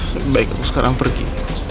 lebih baik aku sekarang pergi